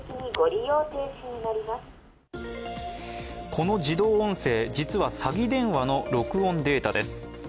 この自動音声、実は詐欺電話の録音データです。